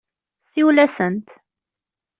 Siwel-asent.